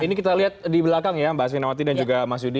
ini kita lihat di belakang ya mbak asvinawati dan juga mas yudi